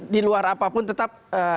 di luar apapun tetap